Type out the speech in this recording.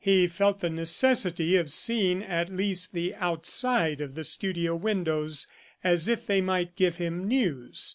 He felt the necessity of seeing at least the outside of the studio windows, as if they might give him news.